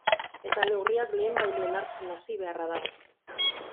Eta neurriak lehenbailehen hartzen hasi beharra dago.